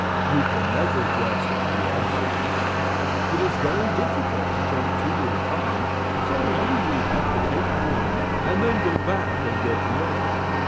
You can never guess what the answer is. It is very difficult to take two at a time, and so we usually have to take one and then go back and get the other.